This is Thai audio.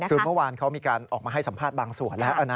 คือเมื่อวานเขามีการออกมาให้สัมภาษณ์บางส่วนแล้ว